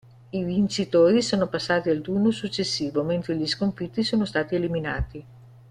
I vincitori sono passati al turno successivo, mentre gli sconfitti sono stati eliminati.